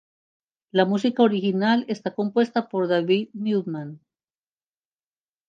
La música original está compuesta por David Newman.